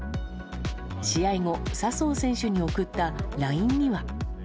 試合後、笹生選手に送ったＬＩＮＥには。